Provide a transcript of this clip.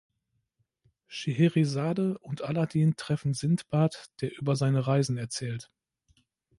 Scheherazade und Aladin treffen Sindbad, der über seine Reisen erzählt.